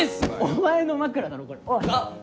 お前の枕だろこれ。